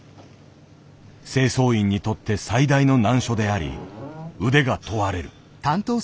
清掃員にとって最大の難所であり腕が問われる。